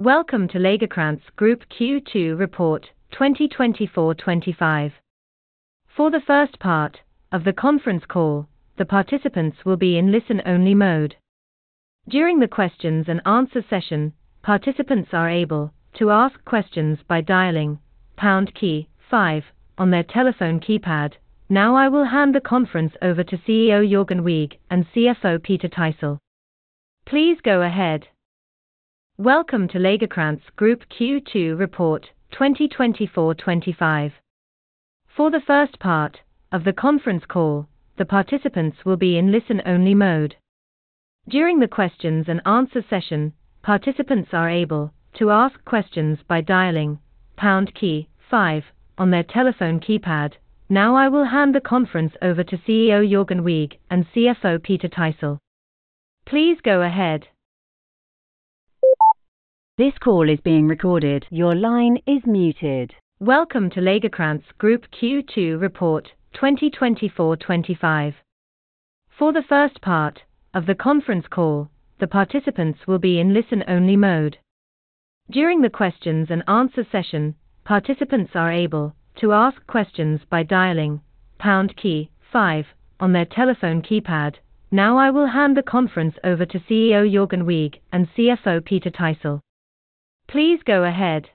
Welcome to Lagercrantz Group Q2 report 2024/2025. For the first part of the conference call, the participants will be in listen-only mode. During the questions-and-answer session, participants are able to ask questions by dialing pound key five on their telephone keypad. Now, I will hand the conference over to CEO Jörgen Wigh and CFO Peter Thysell. Please go ahead. This call is being recorded. Your line is muted. Welcome to Lagercrantz Group Q2 report 2024/2025. For the first part of the conference call, the participants will be in listen-only mode. During the questions-and-answers session, participants are able to ask questions by dialing pound key five on their telephone keypad. Now, I will hand the conference over to CEO Jörgen Wigh and CFO Peter Thysell. Please go ahead.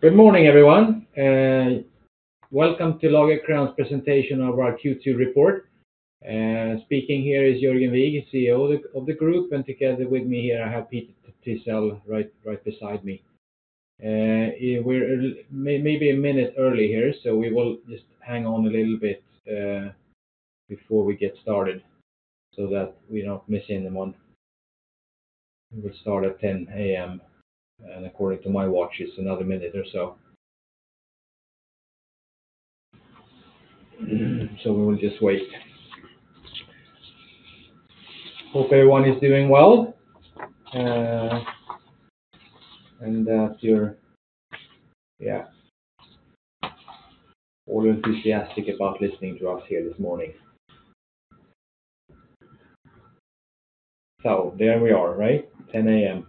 Good morning, everyone, welcome to Lagercrantz presentation of our Q2 report. Speaking here is Jörgen Wigh, CEO of the group, and together with me here, I have Peter Thysell, right beside me. We're maybe a minute early here, so we will just hang on a little bit before we get started so that we don't miss anyone. We start at 10 A.M., and according to my watch, it's another minute or so, so we will just wait. Hope everyone is doing well, and that you're all enthusiastic about listening to us here this morning. There we are, right? 10 A.M.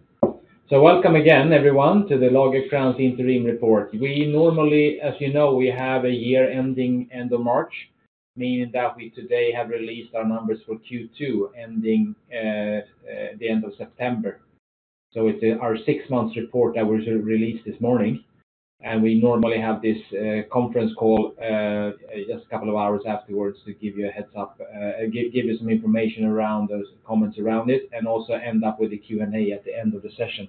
Welcome again, everyone, to the Lagercrantz interim report. We normally, as you know, we have a year ending end of March, meaning that we today have released our numbers for Q2, ending the end of September. So it's our six-month report that was released this morning, and we normally have this conference call just a couple of hours afterwards to give you a heads up, give you some information around those comments around it, and also end up with a Q&A at the end of the session.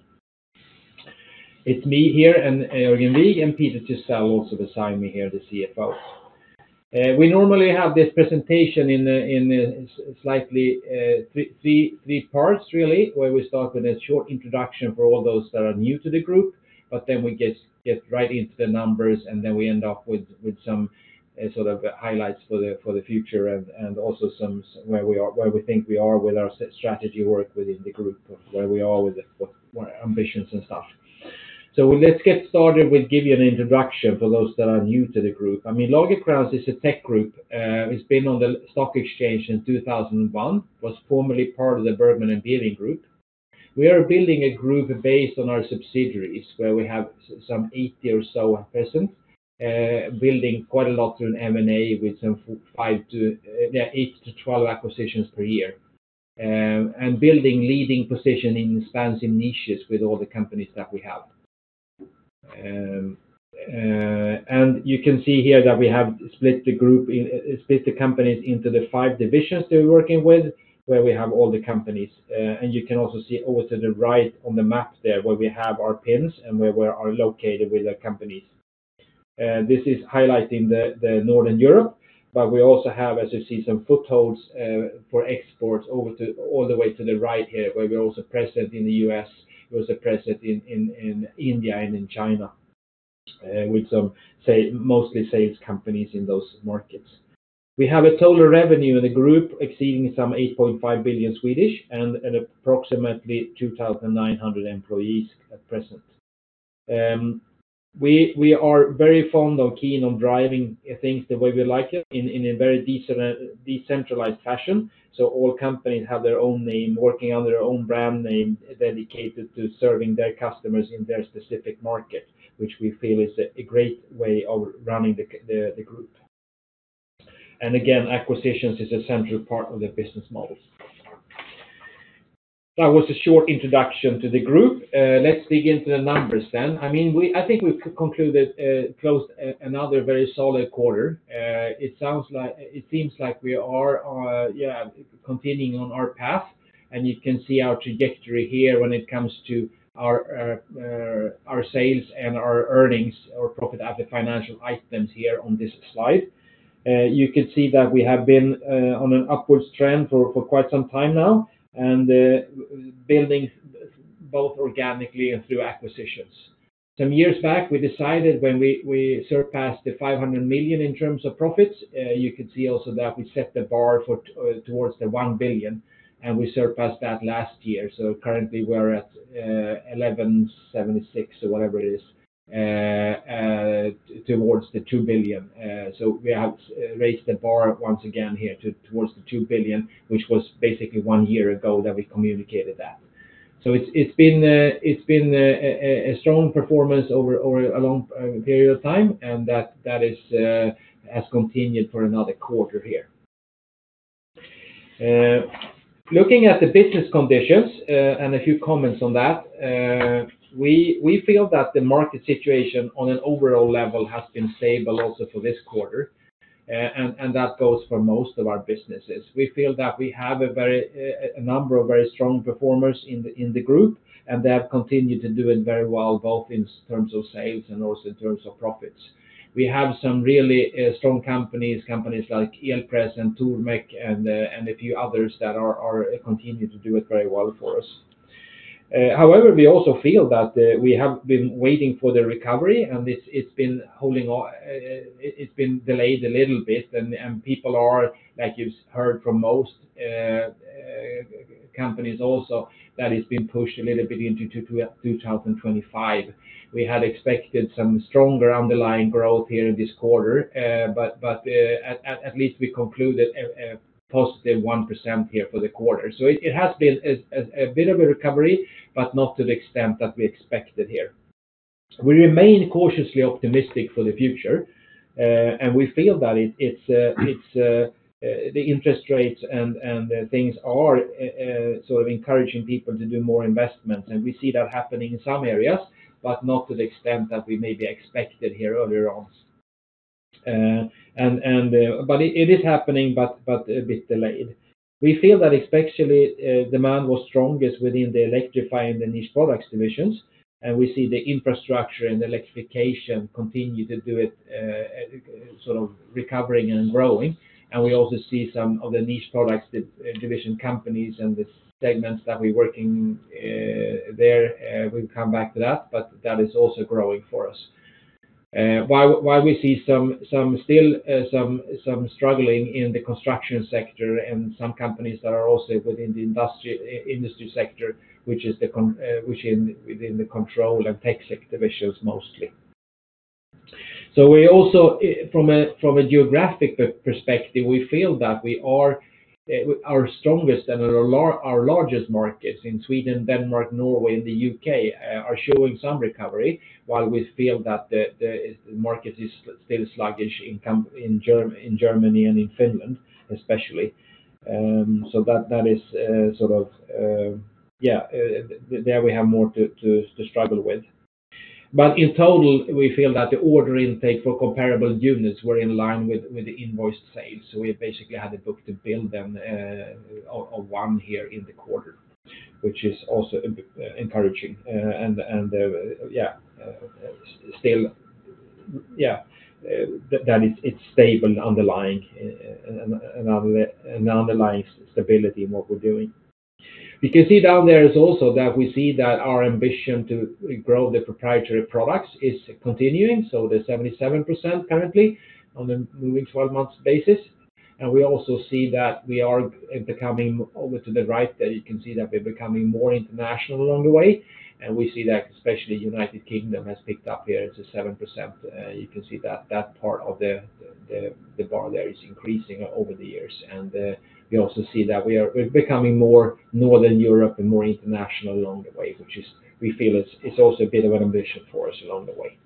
It's me here and Jörgen Wigh, and Peter Thysell, also beside me here, the CFO. We normally have this presentation in a slightly three parts, really, where we start with a short introduction for all those that are new to the group, but then we get right into the numbers, and then we end up with some sort of highlights for the future and also some... Where we are, where we think we are with our strategy work within the group, of where we are with our ambitions and stuff. So let's get started with giving you an introduction for those that are new to the group. I mean, Lagercrantz is a tech group. It's been on the stock exchange since 2001. Was formerly part of the Bergman & Beving Group. We are building a group based on our subsidiaries, where we have some 80 or so at present, building quite a lot through an M&A with some five to eight to 12 acquisitions per year. And building leading position in expanding niches with all the companies that we have. You can see here that we have split the companies into the five divisions that we're working with, where we have all the companies. And you can also see over to the right on the map there, where we have our pins and where we are located with our companies. This is highlighting Northern Europe, but we also have, as you see, some footholds for exports over to all the way to the right here, where we're also present in the U.S. We're also present in India and in China with some, say, mostly sales companies in those markets. We have a total revenue in the group exceeding some 8.5 billion and approximately 2,900 employees at present. We are very fond or keen on driving things the way we like it in a very decentralized fashion. So all companies have their own name, working under their own brand name, dedicated to serving their customers in their specific market, which we feel is a great way of running the group. And again, acquisitions is a central part of the business model. That was a short introduction to the group. Let's dig into the numbers then. I mean, I think we closed another very solid quarter. It sounds like. It seems like we are, yeah, continuing on our path, and you can see our trajectory here when it comes to our sales and our earnings or profit after financial items here on this slide. You can see that we have been on an upward trend for quite some time now, and building both organically and through acquisitions. Some years back, we decided when we surpassed the 500 million in terms of profits. You can see also that we set the bar towards the 1 billion, and we surpassed that last year. So currently, we're at 1,176 million or whatever it is towards the 2 billion. So we have raised the bar once again here towards the 2 billion, which was basically one year ago that we communicated that. So it's been a strong performance over a long period of time, and that has continued for another quarter here. Looking at the business conditions, and a few comments on that, we feel that the market situation on an overall level has been stable also for this quarter, and that goes for most of our businesses. We feel that we have a number of very strong performers in the group, and they have continued to do it very well, both in terms of sales and also in terms of profits. We have some really strong companies, companies like Elpress and Tormek, and a few others that continue to do it very well for us. However, we also feel that we have been waiting for the recovery, and it's been delayed a little bit, and people are, like, you've heard from most companies also, that it's been pushed a little bit into 2025. We had expected some stronger underlying growth here in this quarter, but at least we concluded a positive 1% here for the quarter. So it has been a bit of a recovery, but not to the extent that we expected here. We remain cautiously optimistic for the future, and we feel that it's the interest rates and things are sort of encouraging people to do more investment. And we see that happening in some areas, but not to the extent that we maybe expected here earlier on, but it is happening, but a bit delayed. We feel that especially demand was strongest within the Electrify and the Niche Products divisions, and we see the infrastructure and electrification continue to do it, sort of recovering and growing. And we also see some of the Niche Products division companies and the segments that we're working there. We'll come back to that, but that is also growing for us. While we see some still struggling in the Construction sector and some companies that are also within the Industry sector, which is the Control and TecSec divisions mostly. So we also from a geographic perspective, we feel that we are our strongest and our largest markets in Sweden, Denmark, Norway, and the U.K. are showing some recovery, while we feel that the market is still sluggish in Germany and in Finland, especially. So that is sort of there we have more to struggle with. But in total, we feel that the order intake for comparable units were in line with the invoiced sales. So we basically had the book-to-bill of one here in the quarter, which is also encouraging. And that is, it's stable underlying, an underlying stability in what we're doing. We can see down there is also that we see that our ambition to grow the proprietary products is continuing, so the 77% currently on a moving twelve months basis. And we also see that we are becoming, over to the right, that you can see that we're becoming more international along the way, and we see that especially United Kingdom has picked up here to 7%. You can see that part of the bar there is increasing over the years. And we also see that we are becoming more Northern Europe and more international along the way, which is... We feel it's also a bit of an ambition for us along the way.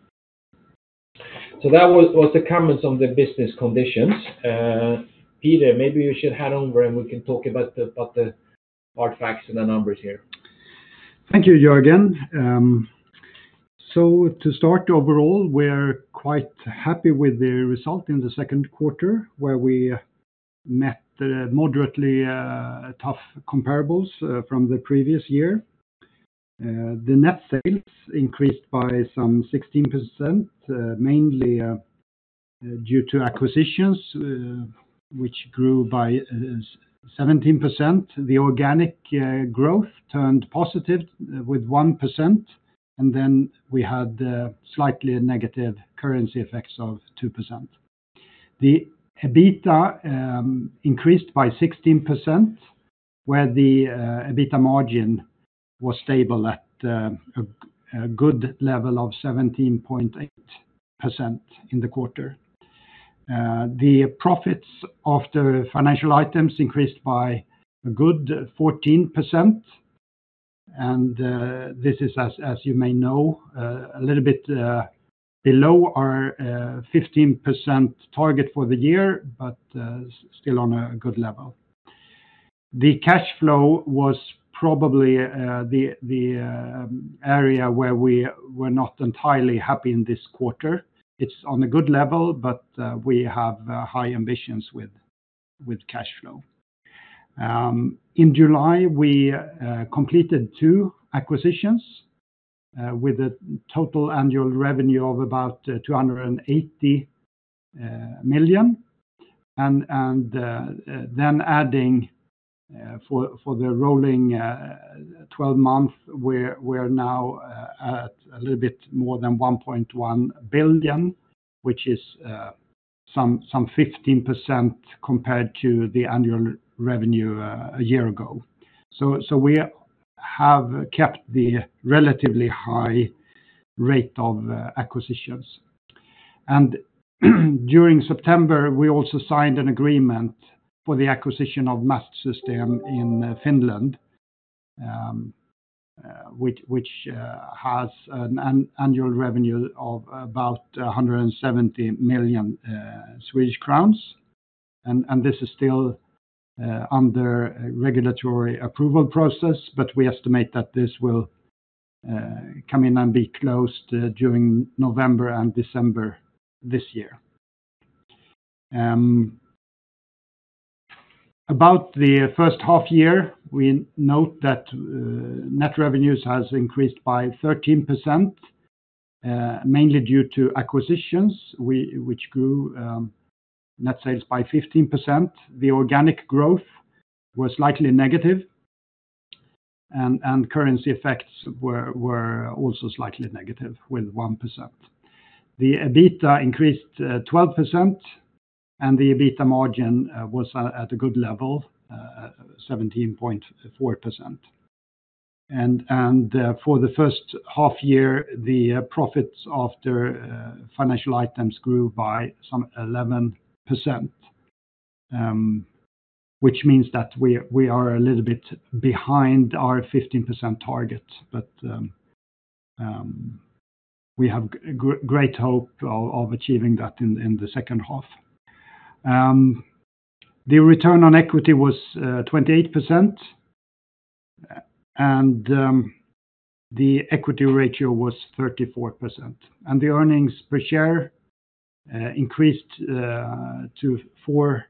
So that was the comments on the business conditions. Peter, maybe you should hand over, and we can talk about the hard facts and the numbers here. Thank you, Jörgen. So to start, overall, we're quite happy with the result in the second quarter, where we met the moderately tough comparables from the previous year. The net sales increased by some 16%, mainly due to acquisitions, which grew by 17%. The organic growth turned positive with 1%, and then we had slightly a negative currency effects of 2%. The EBITDA increased by 16%, where the EBITDA margin was stable at a good level of 17.8% in the quarter. The profits after financial items increased by a good 14%, and this is as you may know, a little bit below our 15% target for the year, but still on a good level. The cash flow was probably the area where we were not entirely happy in this quarter. It's on a good level, but we have high ambitions with cash flow. In July, we completed two acquisitions with a total annual revenue of about 280 million. And then adding for the rolling twelve month, we're now at a little bit more than 1.1 billion, which is some 15% compared to the annual revenue a year ago. So we have kept the relatively high rate of acquisitions. And during September, we also signed an agreement for the acquisition of Mastsystem in Finland, which has an annual revenue of about 170 million Swedish crowns. And this is still under regulatory approval process, but we estimate that this will come in and be closed during November and December this year. About the first half year, we note that net revenues has increased by 13%, mainly due to acquisitions, which grew net sales by 15%. The organic growth was slightly negative, and currency effects were also slightly negative, with 1%. The EBITDA increased 12%, and the EBITDA margin was at a good level, 17.4%. For the first half year, the profits after financial items grew by some 11%, which means that we are a little bit behind our 15% target, but we have great hope of achieving that in the second half. The return on equity was 28%, and the equity ratio was 34%. The earnings per share increased to 4.41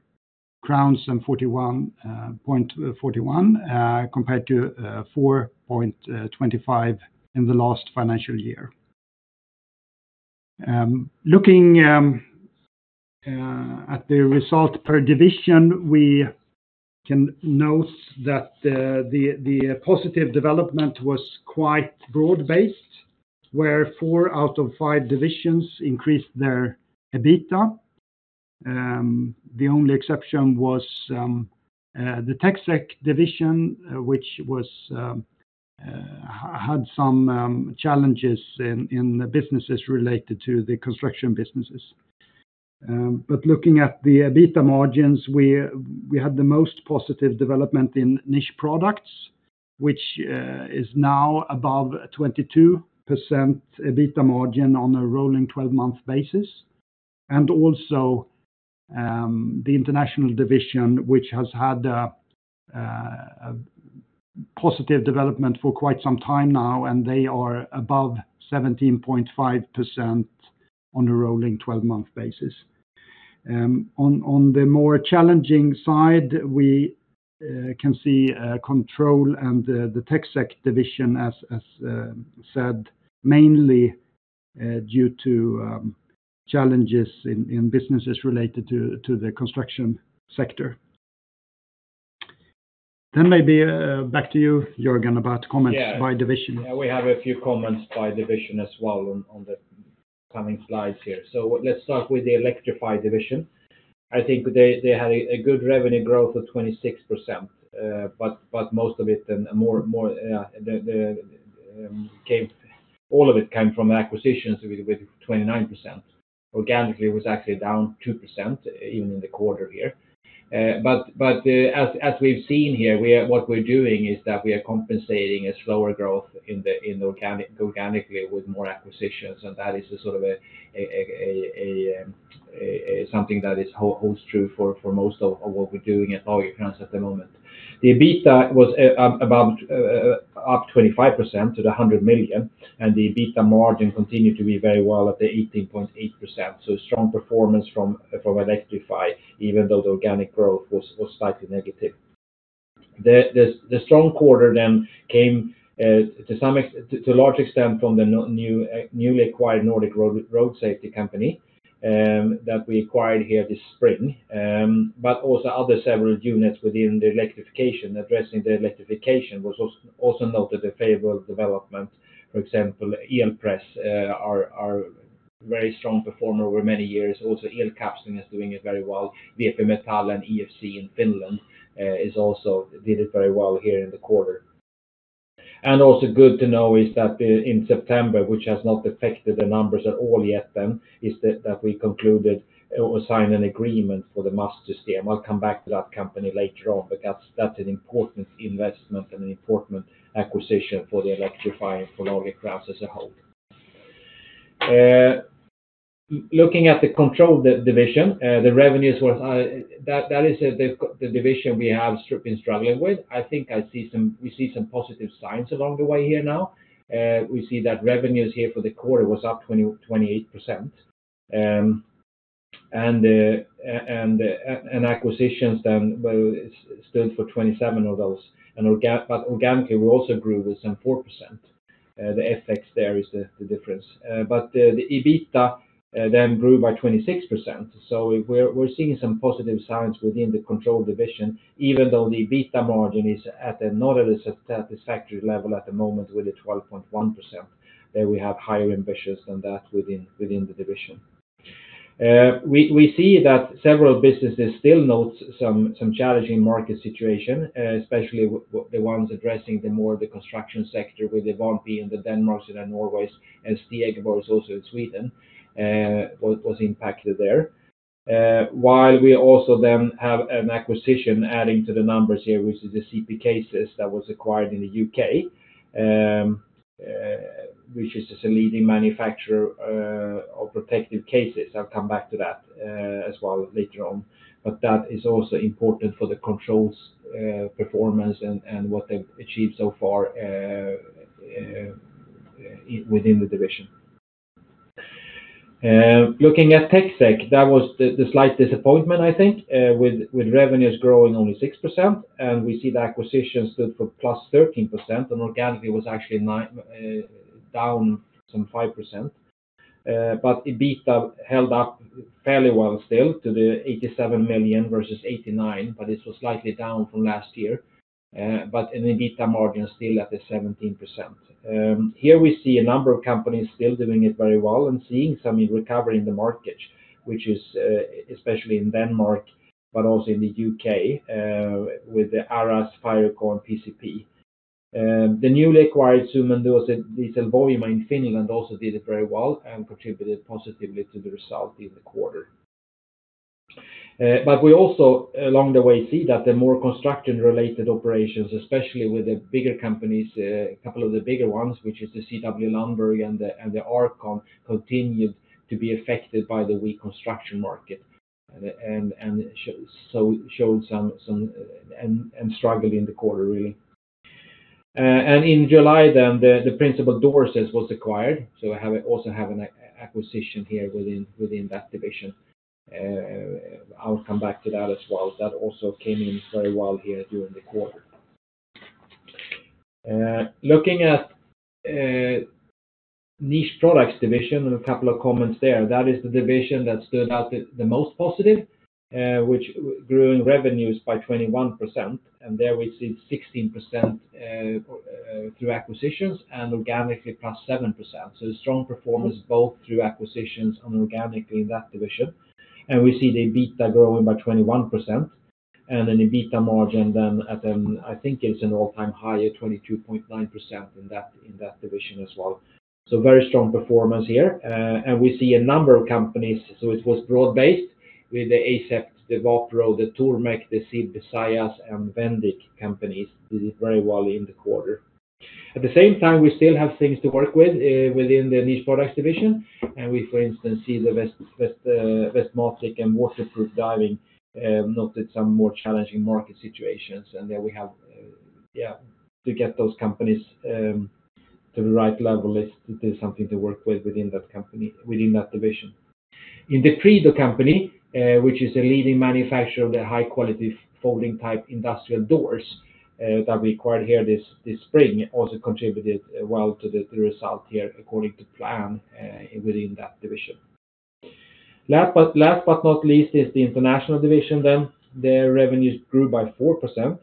crowns compared to 4.25 in the last financial year. Looking at the result per division, we can note that the positive development was quite broad-based, where four out of five divisions increased their EBITDA. The only exception was the TecSec division, which had some challenges in the businesses related to the Construction businesses. But looking at the EBITDA margins, we had the most positive development in Niche Products, which is now above 22% EBITDA margin on a rolling twelve-month basis. And also, the International division, which has had a positive development for quite some time now, and they are above 17.5% on a rolling twelve-month basis. On the more challenging side, we can see Control and the TecSec division, as said, mainly due to challenges in businesses related to the Construction sector. Then maybe back to you, Jörgen, about comments by division. Yeah, we have a few comments by division as well on the coming slides here. So let's start with the Electrify division. I think they had a good revenue growth of 26%, but most of it came from acquisitions with 29%. Organically, it was actually down 2%, even in the quarter here. But as we've seen here, what we're doing is that we are compensating a slower growth in the organic organically with more acquisitions, and that is a sort of something that holds true for most of what we're doing at Lagercrantz at the moment. The EBITDA was about up 25% to 100 million, and the EBITDA margin continued to be very well at the 18.8%. So strong performance from Electrify, even though the organic growth was slightly negative. The strong quarter then came to some ex- to a large extent from the no- new newly acquired Nordic Road Safety Company that we acquired here this spring, but also other several units within the electrification, addressing the electrification, was also noted a favorable development. For example, Elpress are very strong performer over many years. Also, Elkapsling is doing it very well. VP Metall and EFC in Finland is also did it very well here in the quarter. Also good to know is that in September, which has not affected the numbers at all yet then, is that we concluded or signed an agreement for the Mastsystem. I'll come back to that company later on, but that's an important investment and an important acquisition for the Electrify for Lagercrantz as a whole. Looking at the Control division, the revenues were, that is the division we have been struggling with. I think we see some positive signs along the way here now. We see that revenues here for the quarter was up 28%. And the acquisitions then stood for 27 of those. But organically, we also grew with some 4%. The FX there is the difference. But the EBITDA then grew by 26%. So we're seeing some positive signs within the control division, even though the EBITDA margin is not at a satisfactory level at the moment, with a 12.1%, that we have higher ambitions than that within the division. We see that several businesses still note some challenging market situation, especially the ones addressing more of the Construction sector with the Vanpee and the Danish and the Norwegian, and Stig was also in Sweden, was impacted there. While we also then have an acquisition adding to the numbers here, which is the CP Cases that was acquired in the U.K., which is just a leading manufacturer of protective cases. I'll come back to that as well later on. But that is also important for the Control performance and what they've achieved so far within the division. Looking at TecSec, that was the slight disappointment, I think, with revenues growing only 6%, and we see the acquisition stood for +13%, and organically was actually 9% down some 5%. But EBITDA held up fairly well still to 87 million versus 89 million, but this was slightly down from last year, but an EBITDA margin still at the 17%. Here we see a number of companies still doing it very well and seeing some recovery in the market, which is especially in Denmark, but also in the U.K., with the ARAS, Fireco, and PcP. The newly acquired one, the Sähkölehto in Finland also did it very well and contributed positively to the result in the quarter, but we also, along the way, see that the more construction-related operations, especially with the bigger companies, a couple of the bigger ones, which is the CW Lundberg and the R-Con, continued to be affected by the weak construction market, and so showed some and struggled in the quarter, really, and in July, then, the Principal Doorsets was acquired, so I also have an acquisition here within that division. I'll come back to that as well. That also came in very well here during the quarter. Looking at Niche Products division, and a couple of comments there. That is the division that stood out the most positive, which grew in revenues by 21%, and there we see 16% through acquisitions and organically +7%. So a strong performance both through acquisitions and organically in that division. And we see the EBITDA growing by 21%, and then the EBITDA margin then at an, I think it's an all-time high at 22.9% in that, in that division as well. So very strong performance here. And we see a number of companies, so it was broad-based with the ASEPT, the Wapro, the Tormek, the SIB, the Sajos and Vendig companies. Did it very well in the quarter. At the same time, we still have things to work with within the Niche Products division, and we, for instance, see the Westmatic and Waterproof Diving noted some more challenging market situations, and there we have to get those companies to the right level is something to work with within that company, within that division. In the Prido company, which is a leading manufacturer of the high-quality folding-type industrial doors, that we acquired here this spring, also contributed well to the result here, according to plan, within that division. Last but not least, is the International division then. Their revenues grew by 4%,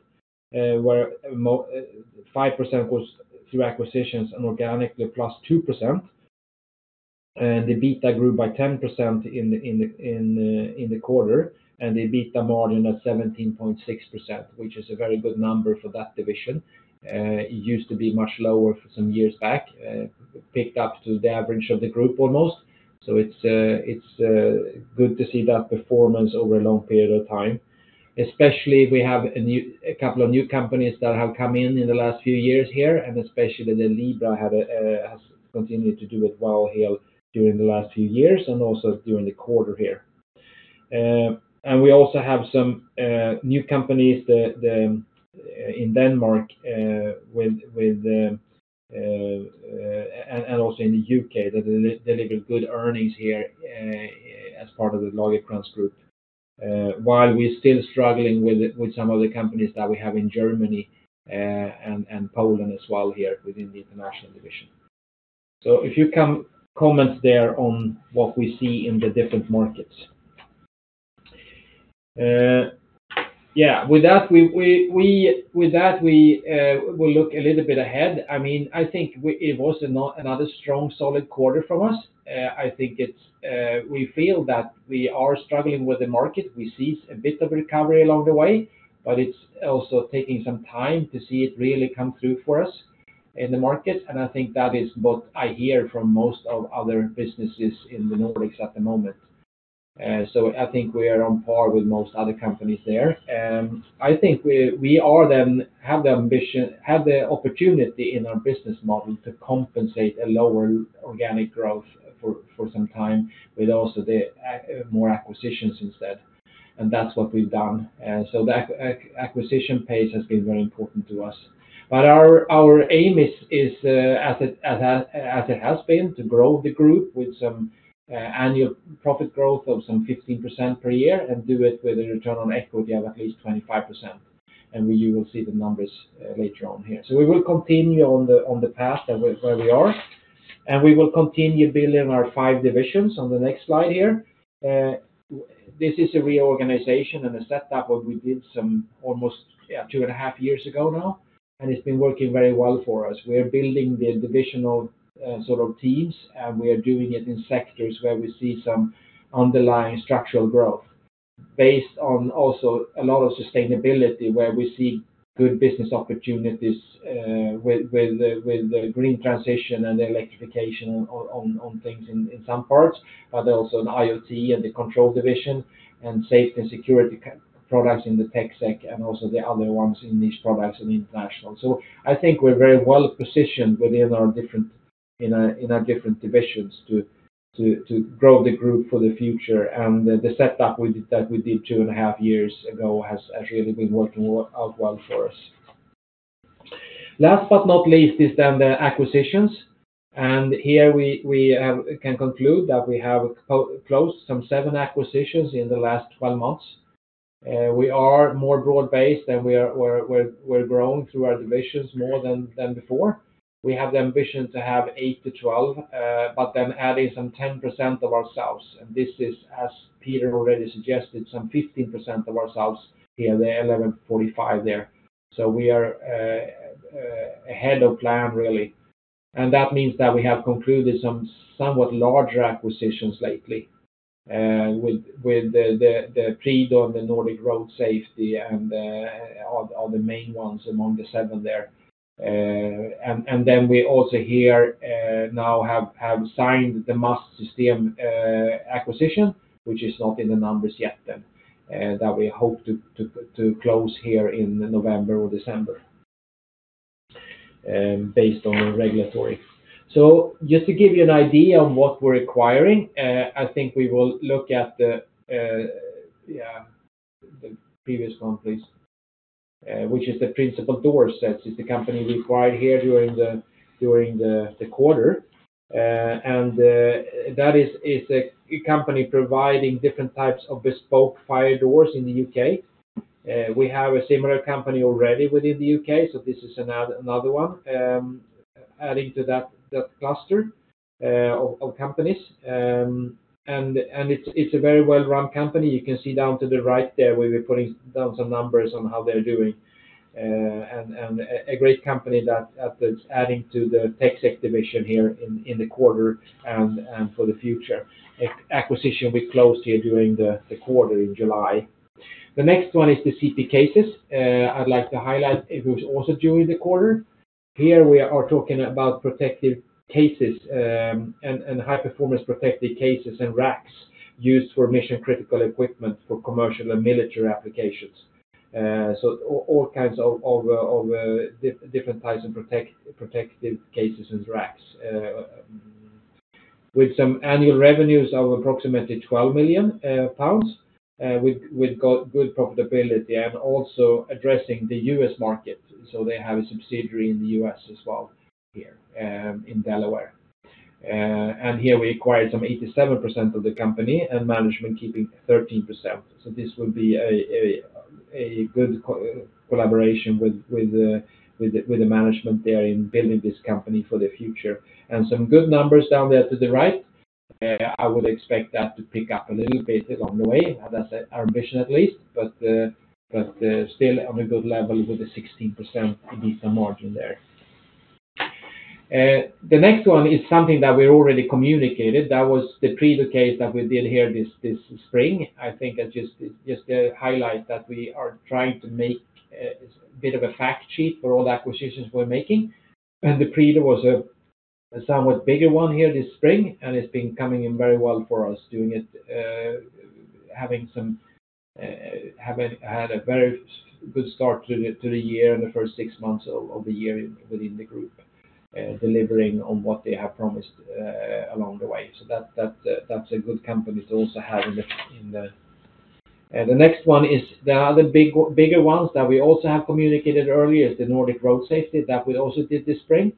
where 5% was through acquisitions and organically +2%. The EBITDA grew by 10% in the quarter, and the EBITDA margin at 17.6%, which is a very good number for that division. It used to be much lower some years back, picked up to the average of the group almost. So it's good to see that performance over a long period of time, especially we have a couple of new companies that have come in in the last few years here, and especially the Libra has continued to do it well here during the last few years and also during the quarter here. And we also have some new companies that in Denmark with and also in the U.K., that deliver good earnings here as part of the Lagercrantz Group. While we're still struggling with it, with some of the companies that we have in Germany, and Poland as well here within the International division. So a few comments there on what we see in the different markets. With that, we'll look a little bit ahead. I mean, I think it was another strong, solid quarter from us. I think it's, we feel that we are struggling with the market. We see a bit of recovery along the way, but it's also taking some time to see it really come through for us in the market, and I think that is what I hear from most of other businesses in the Nordics at the moment. So I think we are on par with most other companies there. I think we have the ambition to have the opportunity in our business model to compensate a lower organic growth for some time with also the more acquisitions instead. And that's what we've done. So that acquisition pace has been very important to us. But our aim is, as it has been, to grow the group with some annual profit growth of some 15% per year and do it with a return on equity of at least 25%. And you will see the numbers later on here. So we will continue on the path that we're where we are, and we will continue building our five divisions on the next slide here. This is a reorganization and a setup that we did almost two and a half years ago now, and it's been working very well for us. We are building the divisional sort of teams, and we are doing it in sectors where we see some underlying structural growth based on also a lot of sustainability, where we see good business opportunities with the green transition and the electrification on things in some parts, but also in IoT and the Control division, and safety and security products in the TecSec, and also the other ones in Niche Products in International. I think we're very well positioned within our different, in our different divisions to grow the group for the future, and the setup we did, that we did two and a half years ago has really been working well out well for us. Last but not least, is then the acquisitions. And here we can conclude that we have closed some seven acquisitions in the last 12 months. We are more broad-based than we are. We're growing through our divisions more than before. We have the ambition to have eight to 12, but then adding some 10% of ourselves, and this is, as Peter already suggested, some 15% of ourselves in the 11, 45 there. So we are ahead of plan, really, and that means that we have concluded some somewhat larger acquisitions lately with the Prido and the Nordic Road Safety and are the main ones among the seven there. And then we also here now have signed the Mastsystem acquisition, which is not in the numbers yet then that we hope to close here in November or December based on regulatory. So just to give you an idea on what we're acquiring, I think we will look at the, yeah, the previous one, please. Which is the Principal Doorsets is the company we acquired here during the quarter. And that is a company providing different types of bespoke fire doors in the U.K. We have a similar company already within the U.K., so this is another one adding to that cluster of companies, and it's a very well-run company. You can see down to the right there; we'll be putting down some numbers on how they're doing, and a great company that's adding to the TecSec division here in the quarter and for the future. Acquisition we closed here during the quarter in July. The next one is the CP Cases. I'd like to highlight; it was also during the quarter. Here we are talking about protective cases and high-performance protective cases and racks used for mission-critical equipment for commercial and military applications. So all kinds of different types of protective cases and racks. With some annual revenues of approximately 12 million pounds, with good profitability and also addressing the U.S. market, so they have a subsidiary in the U.S. as well here, in Delaware, and here we acquired some 87% of the company and management keeping 13%. So this will be a good collaboration with the management there in building this company for the future, and some good numbers down there to the right. I would expect that to pick up a little bit along the way, and that's our ambition at least, but still on a good level with a 16% EBITDA margin there. The next one is something that we already communicated. That was the Prido case that we did here this spring. I think I just highlight that we are trying to make a bit of a fact sheet for all the acquisitions we're making. And the Prido was a somewhat bigger one here this spring, and it's been coming in very well for us, having had a very good start to the year in the first six months of the year within the group, delivering on what they have promised along the way. So that's a good company to also have in the. The next one is the other bigger ones that we also have communicated earlier, is the Nordic Road Safety that we also did this spring.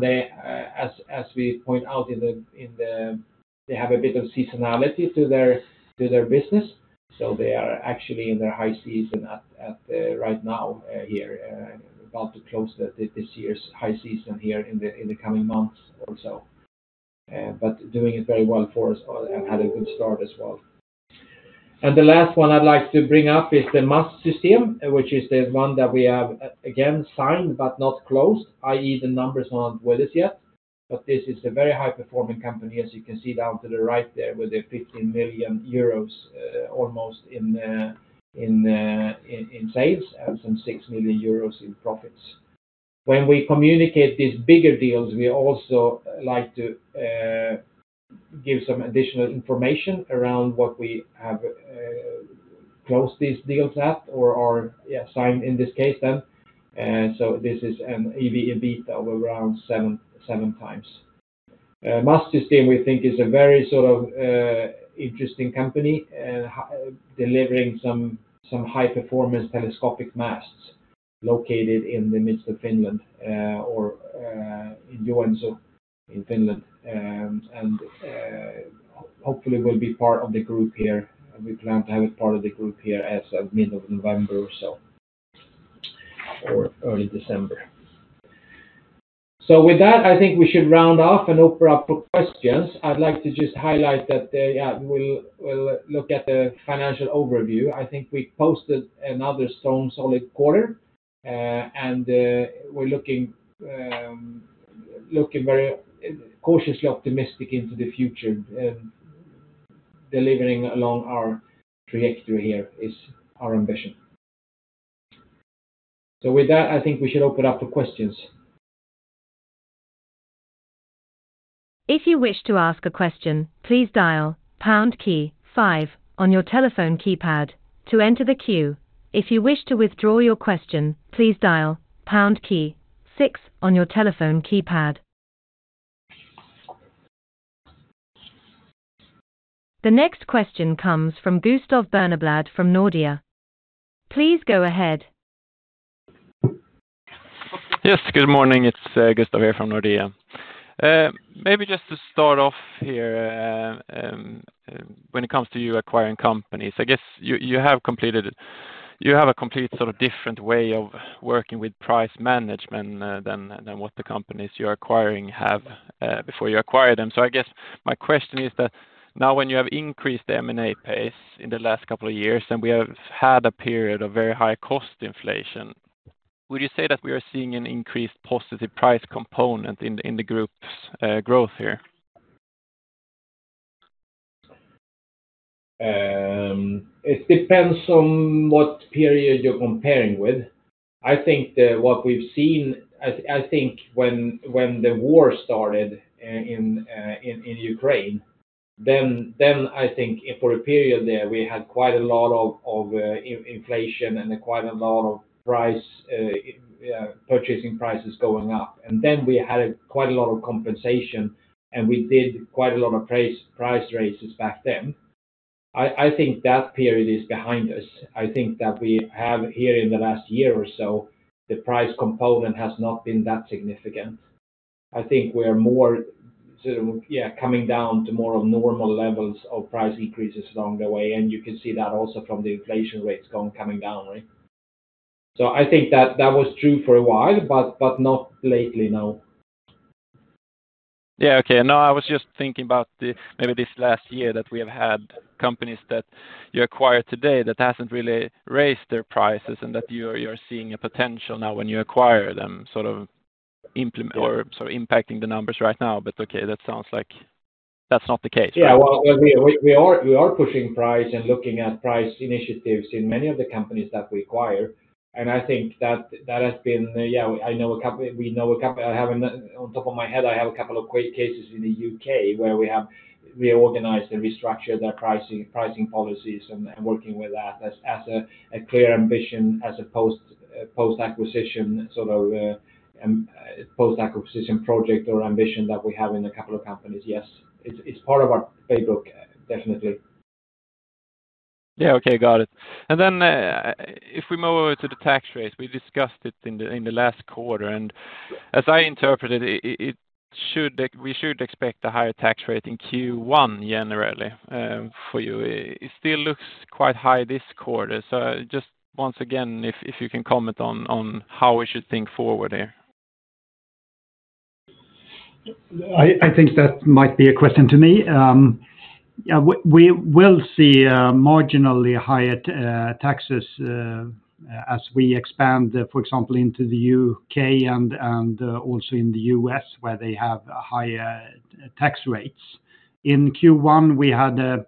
They, as we point out, have a bit of seasonality to their business, so they are actually in their high season right now here, about to close this year's high season here in the coming months or so. But doing it very well for us and had a good start as well. The last one I'd like to bring up is the Mastsystem, which is the one that we have again signed but not closed, i.e., the numbers are not with us yet. This is a very high-performing company, as you can see down to the right there, with 50 million euros almost in sales and some 6 million euros in profits. When we communicate these bigger deals, we also like to give some additional information around what we have closed these deals at or, yeah, signed in this case then. So this is an EV/EBIT of around 7x. Mastsystem, we think is a very sort of interesting company delivering some high-performance telescopic masts located in the midst of Finland, or in Joensuu, in Finland. And hopefully will be part of the group here, and we plan to have it part of the group here as of mid of November or so, or early December. So with that, I think we should round off and open up for questions. I'd like to just highlight that we'll look at the financial overview. I think we posted another strong, solid quarter, and we're looking very cautiously optimistic into the future and delivering along our trajectory. Here is our ambition. So with that, I think we should open up to questions. If you wish to ask a question, please dial pound key five on your telephone keypad to enter the queue. If you wish to withdraw your question, please dial pound key six on your telephone keypad. The next question comes from Gustav Berneblad from Nordea. Please go ahead. Yes, good morning. It's Gustav here from Nordea. Maybe just to start off here, when it comes to you acquiring companies, I guess you have a complete sort of different way of working with price management, than what the companies you're acquiring have before you acquire them. So I guess my question is that, now when you have increased the M&A pace in the last couple of years, and we have had a period of very high cost inflation, would you say that we are seeing an increased positive price component in the group's growth here? It depends on what period you're comparing with. I think that what we've seen. I think when the war started in Ukraine, then I think for a period there, we had quite a lot of inflation and quite a lot of price purchasing prices going up. And then we had quite a lot of compensation, and we did quite a lot of price raises back then. I think that period is behind us. I think that we have here in the last year or so, the price component has not been that significant. I think we are more sort of, yeah, coming down to more of normal levels of price increases along the way, and you can see that also from the inflation rates gone coming down, right? I think that was true for a while, but not lately, no. Yeah, okay. No, I was just thinking about the, maybe this last year that we have had companies that you acquired today that hasn't really raised their prices and that you're seeing a potential now when you acquire them, sort of implement or sort of impacting the numbers right now. But okay, that sounds like that's not the case, right? Yeah. Well, we are pushing price and looking at price initiatives in many of the companies that we acquire. And I think that has been... Yeah, I know a couple of quick cases in the U.K. where we have reorganized and restructured their pricing policies and working with that as a clear ambition as opposed post-acquisition sort of post-acquisition project or ambition that we have in a couple of companies. Yes, it's part of our playbook, definitely. Yeah, okay. Got it. And then, if we move over to the tax rate, we discussed it in the last quarter, and as I interpreted it, we should expect a higher tax rate in Q1 generally, for you. It still looks quite high this quarter. So just once again, if you can comment on how we should think forward here. I think that might be a question to me. Yeah, we will see marginally higher taxes as we expand, for example, into the U.K. and also in the U.S., where they have higher tax rates. In Q1, we had a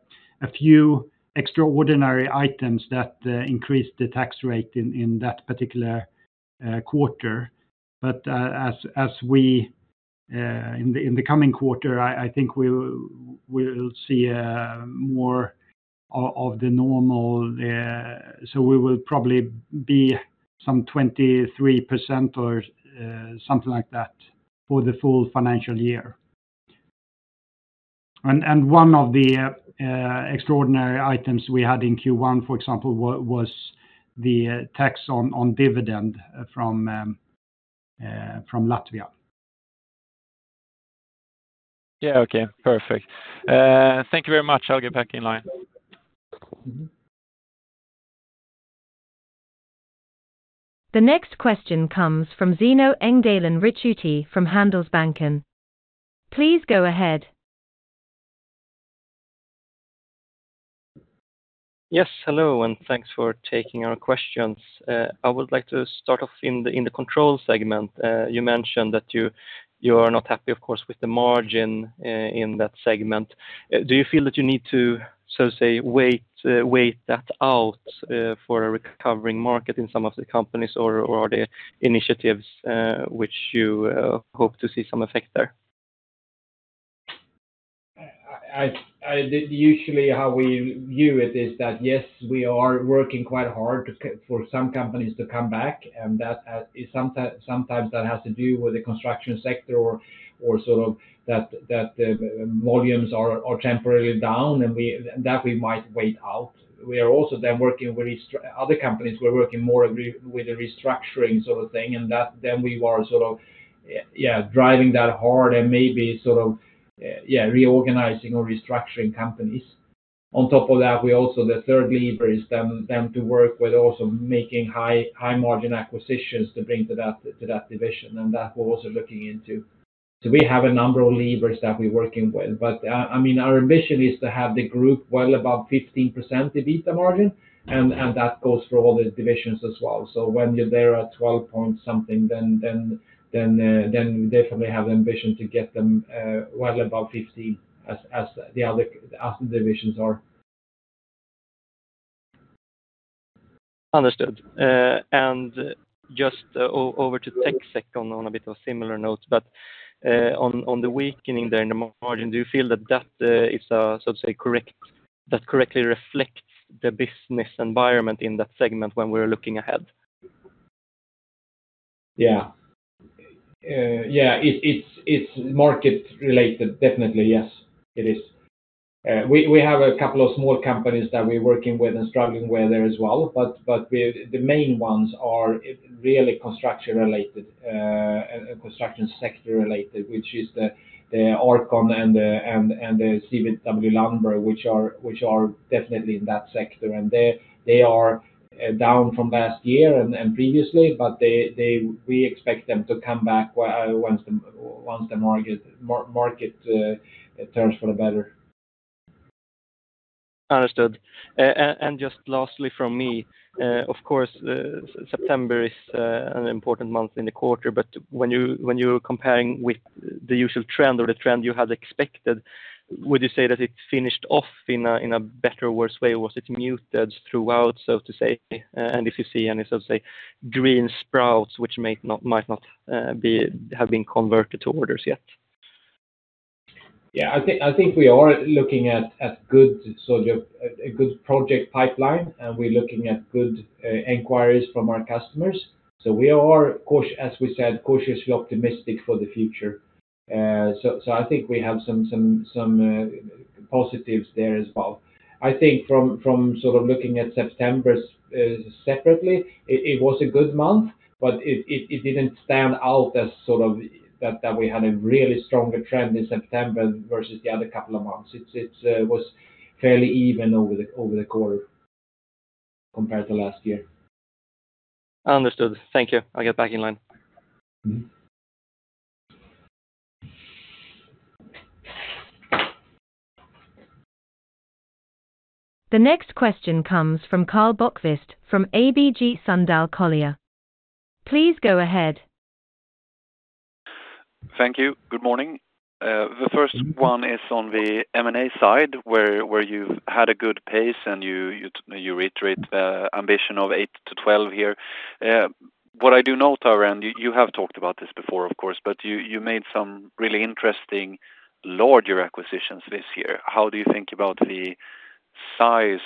few extraordinary items that increased the tax rate in that particular quarter. But, as we... In the coming quarter, I think we'll see more of the normal, so we will probably be some 23% or something like that, for the full financial year. And, one of the extraordinary items we had in Q1, for example, was the tax on dividend from Latvia. Yeah, okay. Perfect. Thank you very much. I'll get back in line. The next question comes from Zino Engdalen Ricciuti from Handelsbanken. Please go ahead. Yes, hello, and thanks for taking our questions. I would like to start off in the control segment. You mentioned that you are not happy, of course, with the margin in that segment. Do you feel that you need to wait that out for a recovering market in some of the companies, or are there initiatives which you hope to see some effect there? I usually, how we view it is that, yes, we are working quite hard for some companies to come back, and that has sometimes that has to do with the Construction sector or sort of that volumes are temporarily down, and that we might wait out. We are also then working with other companies, we're working more with the restructuring sort of thing, and that then we are sort of driving that hard and maybe sort of reorganizing or restructuring companies. On top of that, we also, the third lever is then to work with also making high-margin acquisitions to bring to that division, and that we're also looking into. So we have a number of levers that we're working with. I mean, our ambition is to have the group well above 15% EBITDA margin, and that goes for all the divisions as well. When you're there at 12-point-something, then we definitely have the ambition to get them well above 15% as the other divisions are. Understood. And just over to TecSec on a bit of similar notes, but on the weakening there in the margin, do you feel that is so to say that correctly reflects the business environment in that segment when we're looking ahead? Yeah. Yeah, it's market related. Definitely, yes, it is. We have a couple of small companies that we're working with and struggling with there as well, but the main ones are really Construction related, Construction sector related, which is the R-Con and the CW Lundberg, which are definitely in that sector. And they are down from last year and previously, but we expect them to come back once the market turns for the better. Understood. And just lastly from me, of course, September is an important month in the quarter, but when you're comparing with the usual trend or the trend you had expected, would you say that it finished off in a better or worse way, or was it muted throughout, so to say? And if you see any so-called green shoots, which might not have been converted to orders yet. Yeah, I think we are looking at good sort of a good project pipeline, and we're looking at good inquiries from our customers, so we are, as we said, cautiously optimistic for the future, so I think we have some positives there as well. I think from sort of looking at September separately, it didn't stand out as sort of that we had a really stronger trend in September versus the other couple of months. It was fairly even over the quarter compared to last year. Understood. Thank you. I'll get back in line. The next question comes from Karl Bokvist from ABG Sundal Collier. Please go ahead. Thank you. Good morning. The first one is on the M&A side, where you had a good pace and you reiterate the ambition of eight to 12 here. What I do note, you have talked about this before, of course, but you made some really interesting larger acquisitions this year. How do you think about the size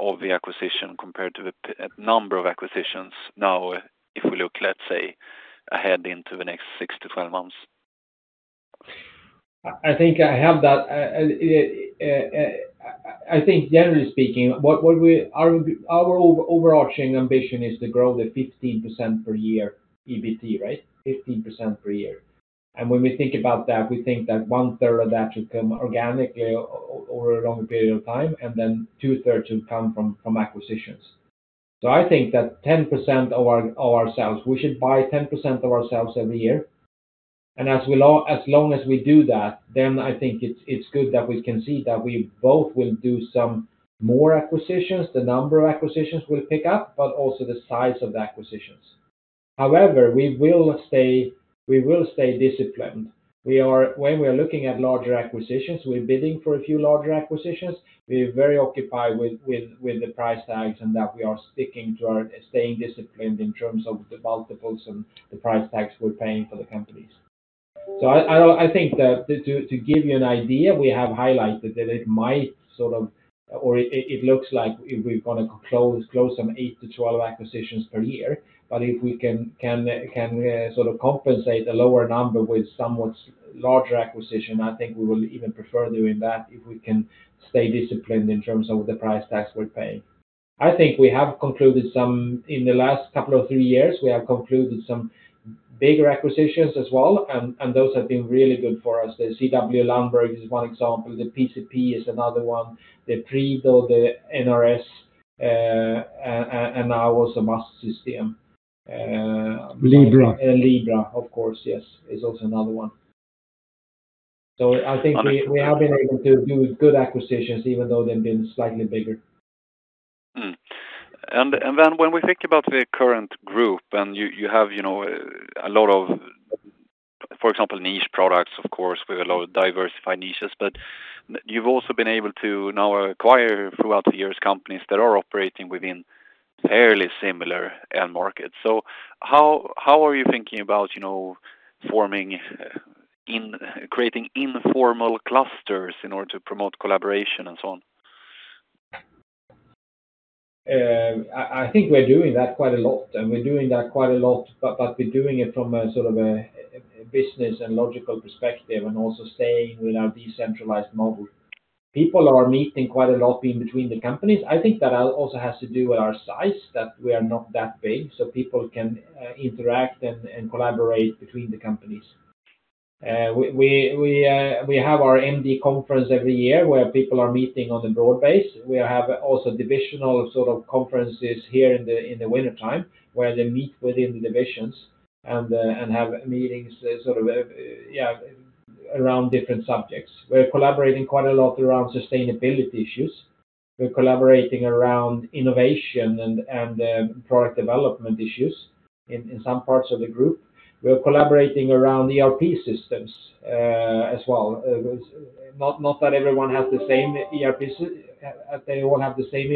of the acquisition compared to the number of acquisitions now, if we look, let's say, ahead into the next six to 12 months? I think I have that. I think generally speaking, what we - our overarching ambition is to grow 15% per year, EBT, right? 15% per year. And when we think about that, we think that one third of that should come organically over a longer period of time, and then two thirds should come from acquisitions. So I think that 10% of ourselves, we should buy 10% of ourselves every year, and as long as we do that, then I think it's good that we can see that we both will do some more acquisitions, the number of acquisitions will pick up, but also the size of the acquisitions. However, we will stay disciplined. When we are looking at larger acquisitions, we're bidding for a few larger acquisitions. We're very occupied with the price tags and that we are sticking to our staying disciplined in terms of the multiples and the price tags we're paying for the companies. So I think that to give you an idea, we have highlighted that it might sort of, or it looks like if we're gonna close some eight to 12 acquisitions per year, but if we can sort of compensate a lower number with somewhat larger acquisition, I think we will even prefer doing that if we can stay disciplined in terms of the price tags we're paying. I think we have concluded some... In the last couple of three years, we have concluded some bigger acquisitions as well, and, and those have been really good for us. The CW Lundberg is one example, the PcP is another one, the Prido, the NRS, and now also Mastsystem. Libra. Libra, of course, yes, is also another one. So I think we have been able to do good acquisitions, even though they've been slightly bigger. And then when we think about the current group, and you have, you know, a lot of, for example, Niche Products, of course, with a lot of diversified niches, but you've also been able to now acquire, throughout the years, companies that are operating within fairly similar end markets. So how are you thinking about, you know, forming, creating informal clusters in order to promote collaboration and so on? I think we're doing that quite a lot, but we're doing it from a sort of a business and logical perspective, and also staying with our decentralized model. People are meeting quite a lot in between the companies. I think that also has to do with our size, that we are not that big, so people can interact and collaborate between the companies. We have our MD conference every year, where people are meeting on a broad base. We have also divisional sort of conferences here in the wintertime, where they meet within the divisions and have meetings around different subjects. We're collaborating quite a lot around sustainability issues. We're collaborating around innovation and product development issues in some parts of the group. We are collaborating around ERP systems as well. Not that everyone has the same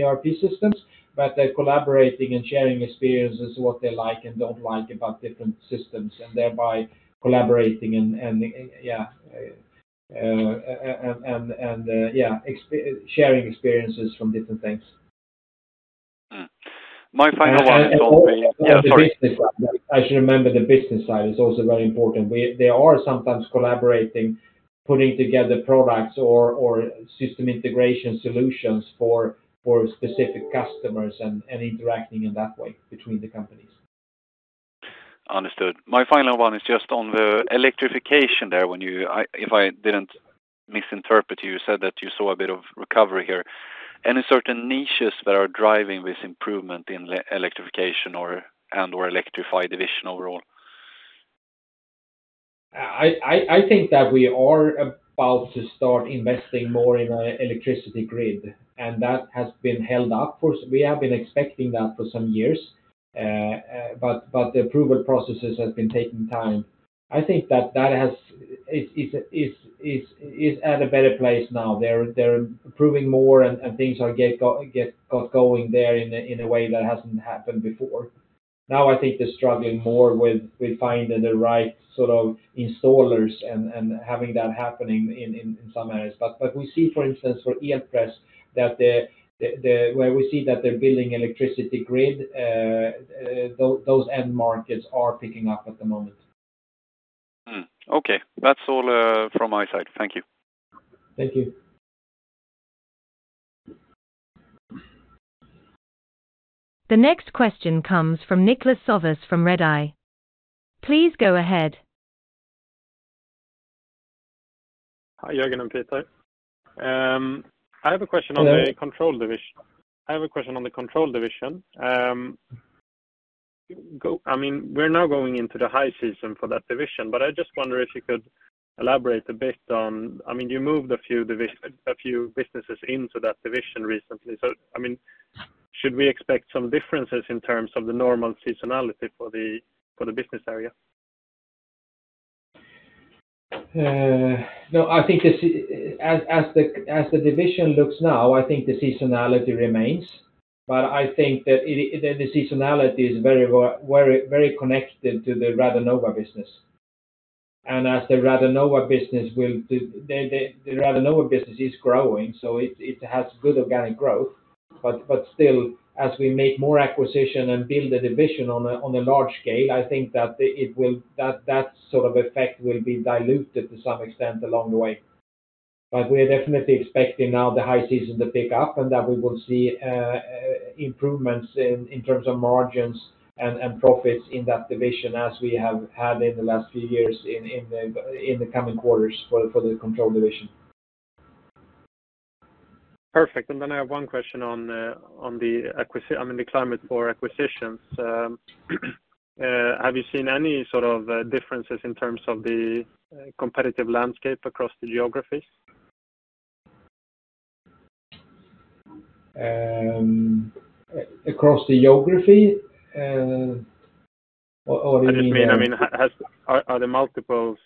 ERP systems, but they're collaborating and sharing experiences, what they like and don't like about different systems, and thereby collaborating and sharing experiences from different things. My final one- Yeah, sorry. I should remember the business side is also very important. They are sometimes collaborating, putting together products or system integration solutions for specific customers and interacting in that way between the companies. Understood. My final one is just on the Electrification there. When you, if I didn't misinterpret you, you said that you saw a bit of recovery here. Any certain niches that are driving this improvement in Electrification or and/or Electrified division overall? I think that we are about to start investing more in electricity grid, and that has been held up for... We have been expecting that for some years, but the approval processes have been taking time. I think that has. It's at a better place now. They're approving more, and things are getting going there in a way that hasn't happened before. Now, I think they're struggling more with finding the right sort of installers and having that happening in some areas. But we see, for instance, for Elpress, that the where we see that they're building electricity grid, those end markets are picking up at the moment. Okay. That's all from my side. Thank you. Thank you. The next question comes from Niklas Sävås from Redeye. Please go ahead. Hi, Jörgen and Peter. I have a question on the control division. I have a question on the control division. I mean, we're now going into the high season for that division, but I just wonder if you could elaborate a bit on, I mean, you moved a few businesses into that division recently. So, I mean, should we expect some differences in terms of the normal seasonality for the business area? No, I think as the division looks now, I think the seasonality remains, but I think that the seasonality is very well, very, very connected to the Radanova business. And as the Radanova business will do, the Radanova business is growing, so it has good organic growth. But still, as we make more acquisition and build the division on a large scale, I think that it will, that sort of effect will be diluted to some extent along the way. But we are definitely expecting now the high season to pick up and that we will see improvements in terms of margins and profits in that division as we have had in the last few years in the coming quarters for the Control division. Perfect. And then I have one question on the climate for acquisitions. I mean, have you seen any sort of differences in terms of the competitive landscape across the geographies? Across the geography? Or you mean- I just mean, are the multiples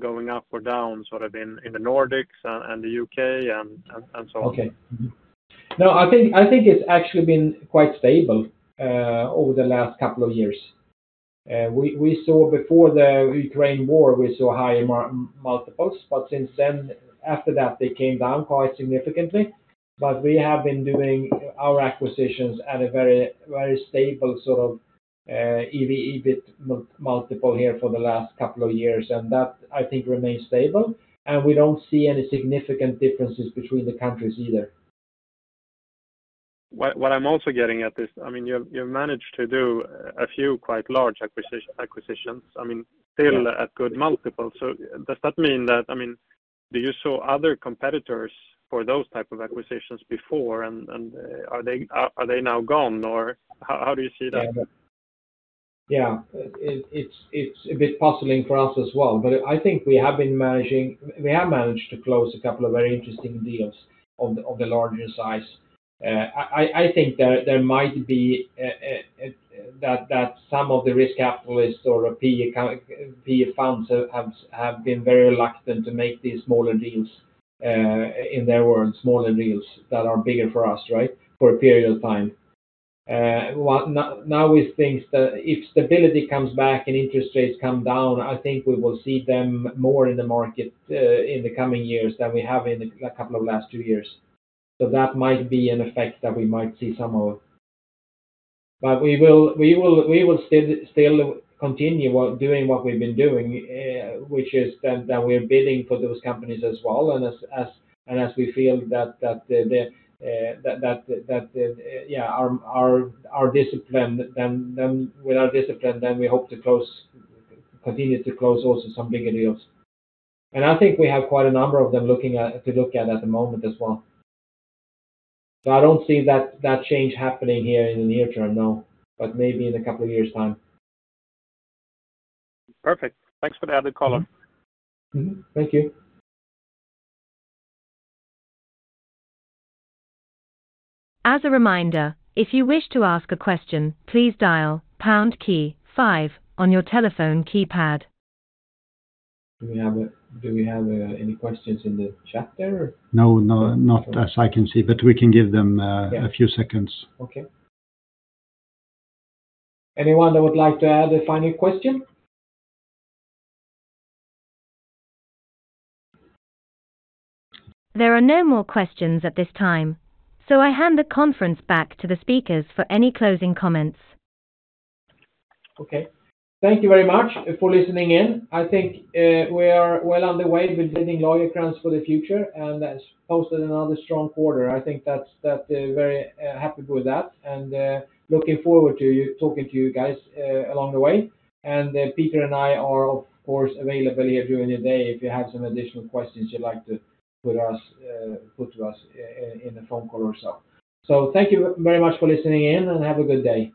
going up or down, sort of in the Nordics and the U.K. and so on? Okay. No, I think it's actually been quite stable over the last couple of years. We saw before the Ukraine war higher multiples, but since then, after that, they came down quite significantly. But we have been doing our acquisitions at a very, very stable, sort of, EV/EBIT multiple here for the last couple of years. And that, I think, remains stable, and we don't see any significant differences between the countries either. What I'm also getting at is, I mean, you've managed to do a few quite large acquisitions, I mean, still at good multiples. So does that mean that, I mean, do you saw other competitors for those type of acquisitions before, and are they now gone, or how do you see that? Yeah. It's a bit puzzling for us as well, but I think we have been managing. We have managed to close a couple of very interesting deals of the larger size. I think there might be a that some of the risk capitalists or PE funds have been very reluctant to make these smaller deals, in their world, smaller deals that are bigger for us, right? For a period of time. Now with things, if stability comes back and interest rates come down, I think we will see them more in the market, in the coming years than we have in the couple of last two years. So that might be an effect that we might see some of. But we will still continue doing what we've been doing, which is that we're bidding for those companies as well. And as we feel that our discipline, with our discipline, we hope to continue to close also some bigger deals. And I think we have quite a number of them to look at at the moment as well. So I don't see that change happening here in the near term, no, but maybe in a couple of years' time. Perfect. Thanks for the added color. Thank you. As a reminder, if you wish to ask a question, please dial pound key five on your telephone keypad. Do we have any questions in the chat there? No, no, not as I can see, but we can give them a few seconds. Okay. Anyone that would like to add a final question? There are no more questions at this time, so I hand the conference back to the speakers for any closing comments. Okay. Thank you very much for listening in. I think we are well on the way with building Lagercrantz for the future, and we've posted another strong quarter. I think that's very happy with that. And looking forward to talking to you guys along the way. And Peter and I are, of course, available here during the day if you have some additional questions you'd like to put to us in a phone call or so. So thank you very much for listening in, and have a good day.